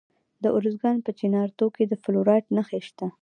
د ارزګان په چنارتو کې د فلورایټ نښې شته.